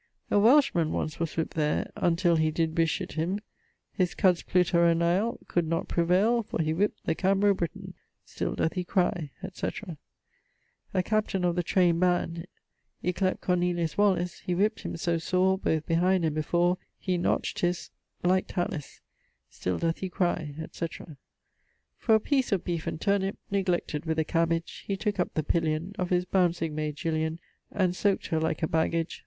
A Welsh man once was whip't there Untill he did bes... him His Cuds pluttera nail Could not prevail For he whip't the Cambro Britan. Still doth he cry, etc. A captain of the train'd band; Yclept Cornelius Wallis; He whip't him so sore Both behind and before He notch't his .... like tallyes. Still doth he cry, etc. For a piece of beef and turnip, Neglected, with a cabbage, He took up the pillion Of his bouncing mayd Jillian; And sowc't her like a baggage.